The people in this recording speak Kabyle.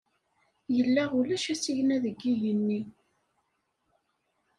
Yella ulac asigna deg yigenni.